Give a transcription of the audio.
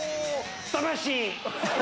魂！